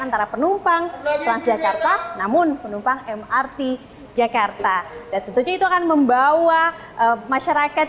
antara penumpang transjakarta namun penumpang mrt jakarta dan tentunya itu akan membawa masyarakat